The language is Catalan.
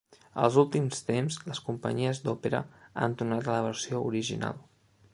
Els últims temps les companyies d'òpera han tornat a la versió original.